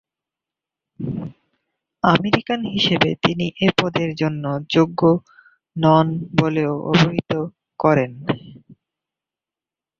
American হিসেবে তিনি এ পদের যোগ্য নন বলেও অভিহিত করেন।